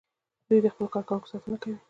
دوی د خپلو کارکوونکو ساتنه کوي.